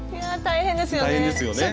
いや大変ですよね。